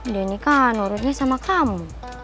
deni kan urutnya sama kamu